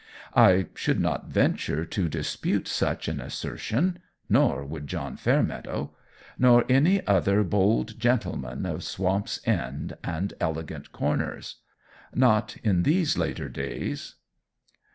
I should not venture to dispute such an assertion; nor would John Fairmeadow nor any other bold gentleman of Swamp's End and Elegant Corners not in these later days!